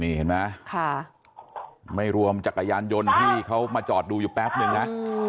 นี่เห็นไหมไม่รวมจักรยานยนต์ที่เขามาจอดดูอยู่แป๊บนึงนะ